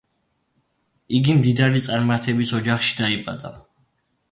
იგი მდიდარი წარმართების ოჯახში დაიბადა.